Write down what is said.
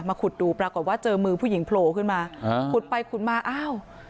ขุดดูปรากฏว่าเจอมือผู้หญิงโผล่ขึ้นมาอ่าขุดไปขุดมาอ้าว